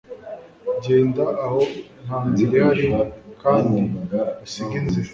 genda aho nta nzira ihari kandi usige inzira